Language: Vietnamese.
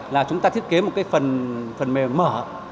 là chúng ta thiết kế một cái phần mềm mở